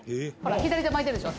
「左手巻いてるでしょ？